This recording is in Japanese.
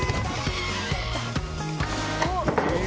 おっ！